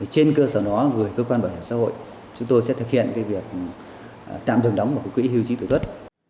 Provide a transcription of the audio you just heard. trên cơ sở đó gửi cơ quan bảo hiểm xã hội chúng tôi sẽ thực hiện cái việc tạm thường đóng của cái quỹ hưu trí tổ tuất